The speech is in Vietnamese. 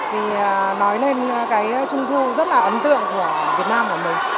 vì nói lên cái trung thu rất là ấn tượng của việt nam của mình